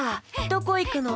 どこいくの？